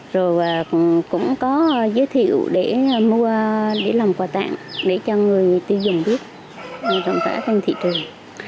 rồi cũng có giới thiệu để mua để làm quà tặng để cho người tiêu dùng biết để trọng tả trên thị trường